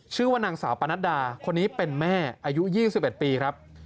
ชื่อว่านางสาวปนัดดาคนนี้เป็นแม่อายุ๒๑ปีครับ